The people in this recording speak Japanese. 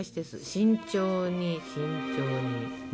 慎重に慎重に。